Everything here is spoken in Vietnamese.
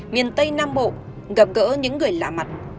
miền tây nam bộ gặp gỡ những người lạ mặt